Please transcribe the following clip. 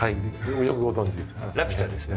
よくご存じですね。